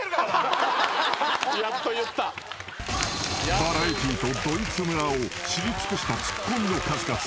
［バラエティーとドイツ村を知り尽くしたツッコミの数々］